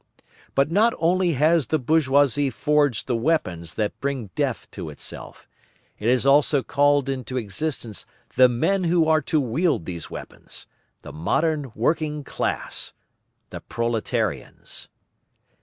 But not only has the bourgeoisie forged the weapons that bring death to itself; it has also called into existence the men who are to wield those weapons—the modern working class—the proletarians.